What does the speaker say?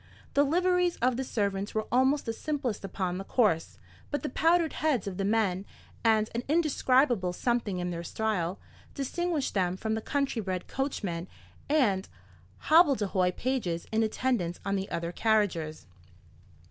The liveries of the servants were almost the simplest upon the course; but the powdered heads of the men, and an indescribable something in their style, distinguished them from the country bred coachmen and hobbledehoy pages in attendance on the other carriages.